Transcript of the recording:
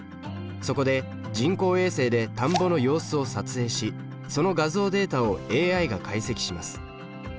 そこで人工衛星で田んぼの様子を撮影しその画像データをＡＩが解析します。